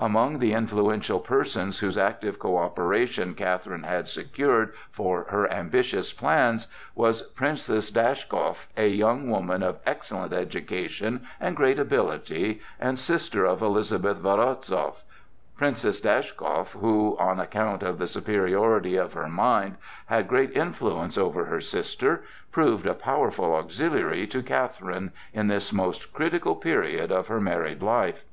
Among the influential persons whose active coöperation Catherine had secured for her ambitious plans was Princess Dashkow, a young woman of excellent education and great ability, and sister of Elizabeth Woronzow. Princess Dashkow, who, on account of the superiority of her mind had great influence over her sister, proved a powerful auxiliary to Catherine in this most critical period of her married life.